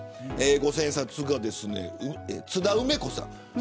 五千円札が津田梅子さん。